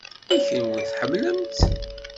I kenwi, tḥemmlem-tt?